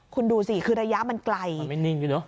คุณดูสิคือระยะมันไกลมันไม่นิ่งอยู่เนอะ